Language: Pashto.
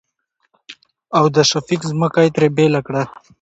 او د شفيق ځمکه يې ترې بيله کړه.